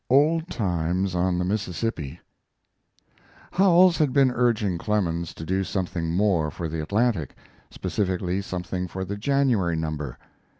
"OLD TIMES ON THE MISSISSIPPI" Howells had been urging Clemens to do something more for the Atlantic, specifically something for the January number.